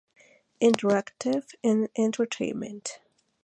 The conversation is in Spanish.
Interactive Entertainment.